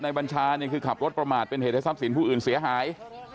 บัญชาเนี่ยคือขับรถประมาทเป็นเหตุให้ทรัพย์สินผู้อื่นเสียหาย